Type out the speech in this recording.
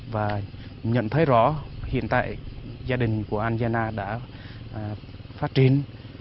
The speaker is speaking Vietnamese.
và nhận thấy rõ hiện tại gia đình của anh gia na đã phát triển